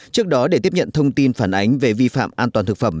trước đó để tiếp nhận thông tin phản ánh về vi phạm an toàn thực phẩm